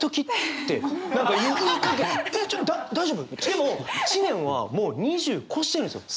でも知念はもう２０超してるんですよ。